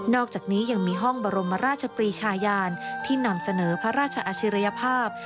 อกจากนี้ยังมีห้องบรมราชปรีชายานที่นำเสนอพระราชอาชิริยภาพ